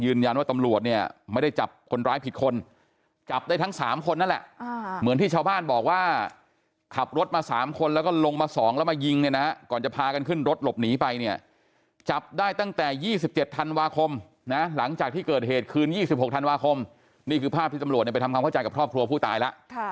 ยืนยันว่าตำรับไม่ได้จับคนร้ายผิดคน